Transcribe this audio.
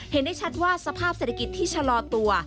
เห็นได้ชัดว่าสภาพเศรษฐกิจที่ชะลอตัว